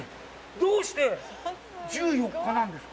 どうして、１４日なんですか？